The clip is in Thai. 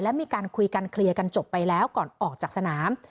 และมีการคุยกันเคลียร์กันจบไปแล้วก่อนออกจากสนาม